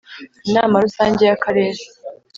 inama rusange y akarere